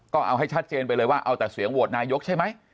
ก็เอาให้ชัดเจนไปเลยว่าเอาแต่เสียงโหวตนายกใช่ไหม